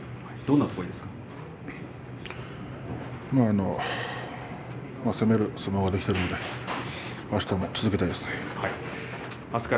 どんなところがいいですか。